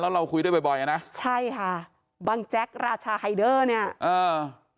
แล้วเราคุยด้วยบ่อยนะใช่ค่ะบังแจ๊กราชาไฮเดอร์เนี่ย